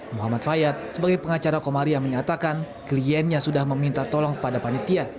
muhammad fayyad sebagai pengacara komariah menyatakan kliennya sudah meminta tolong kepada panitia